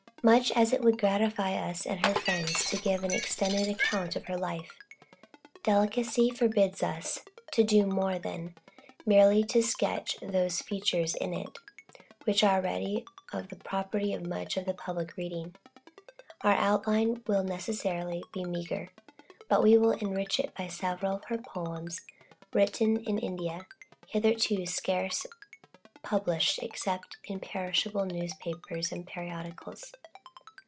Much as it would gratify us, and her friends to give an extended account of her life, delicacy forbids us to do more than merely to sketch those features in it, which are already the property of much of the reading public. Our outline will necessarily be meagre, but we will enrich it by several of her poems written in India, hitherto scarce published except in perishable newspapers and periodicals.